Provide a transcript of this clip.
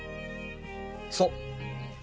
そう